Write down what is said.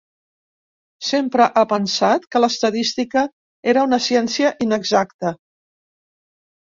Sempre ha pensat que l'estadística era una ciència inexacta.